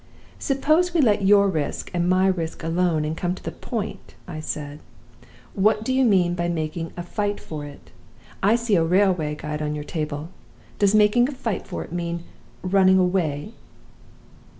'Suppose we let your risk and my risk alone, and come to the point,' I said. 'What do you mean by making a fight for it? I see a railway guide on your table. Does making a fight for it mean running away?